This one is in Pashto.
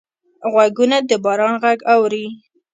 غوږونه د باران غږ اوري